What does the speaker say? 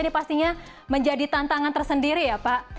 ini pastinya menjadi tantangan tersendiri ya pak